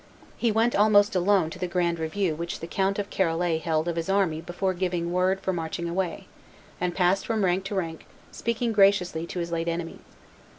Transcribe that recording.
He went almost alone to the grand review which the Count of Charolais held of his army before giving the word for marching away, and passed from rank to rank speaking graciously to his late enemies.